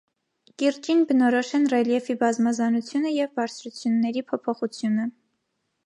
Կիրճին բնորոշ են ռելիեֆի բազմազանությունը և բարձրությունների փոփոխությունը։